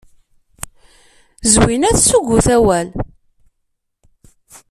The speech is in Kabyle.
Zwina tessuggut awal.